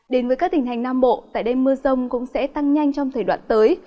đến với các tỉnh hành nam bộ tại đây mưa rông cũng sẽ tăng nhanh trong thời đoạn tới